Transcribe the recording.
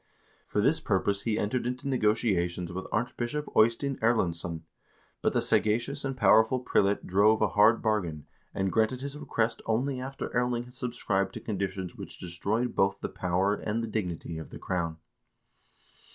For this purpose he entered into nego tiations with Archbishop Eystein Erlendsson, but the sagacious and powerful prelate drove a hard bargain, and granted his request only after Erling had subscribed to conditions which destroyed both the power and the dignity of the crown.